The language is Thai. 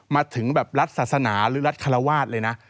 มาถึงแบบรัฐศาสนาหรือรัฐคารวาสเลยนะ